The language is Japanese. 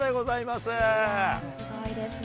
すごいですね。